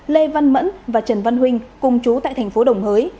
lê văn mẫn và trần văn huynh cùng chú tại thành phố đồng hới